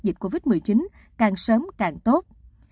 dịch covid một mươi chín càng sớm càng tốt